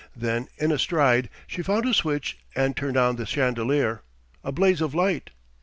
Then, in a stride, she found a switch and turned on the chandelier, a blaze of light.